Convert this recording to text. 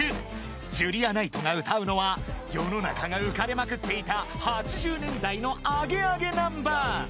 ［ジュリアナイトが歌うのは世の中が浮かれまくっていた８０年代のアゲアゲナンバー］